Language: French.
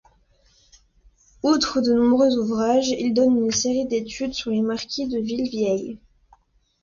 Outre de nombreux ouvrages, il donne une série d'études sur les marquis de Villevieille.